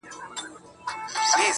اوس د دې څيزونو حرکت بې هوښه سوی دی,